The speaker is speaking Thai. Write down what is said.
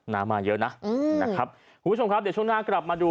มาเยอะนะอืมนะครับคุณผู้ชมครับเดี๋ยวช่วงหน้ากลับมาดู